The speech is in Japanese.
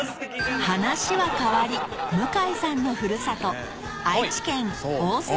話は変わり向井さんのふるさと愛知県大須